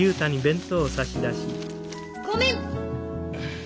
ごめん！